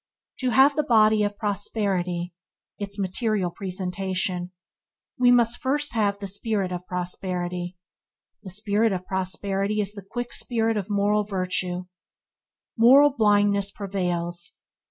To have the body of prosperity – its material presentation – we must first have the spirit of prosperity, and the spirit of prosperity is the quick spirit of moral virtue. Moral blindness prevails.